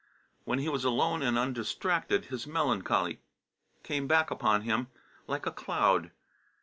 When he was alone and undistracted, his melancholy came back upon him like a cloud.